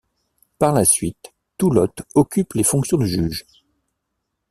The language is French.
Par la suite, Toulotte occupe les fonctions de juge.